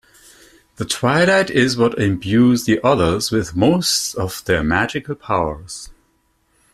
The Twilight is what imbues the Others with most of their magical powers.